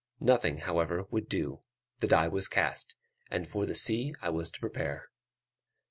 Nothing, however, would do; the die was cast, and for the sea I was to prepare.